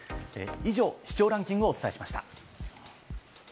以上、視聴ランキングをお伝えしました。